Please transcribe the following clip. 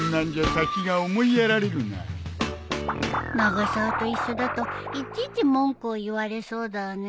永沢と一緒だといちいち文句を言われそうだね